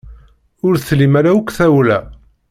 Ur tlim ara akk tawla.